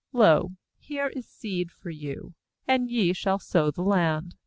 Lo, here is seed for you, and ye shall sow the land.